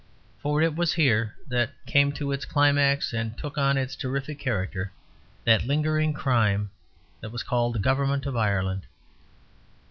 For it was here that came to its climax and took on its terrific character that lingering crime that was called the government of Ireland.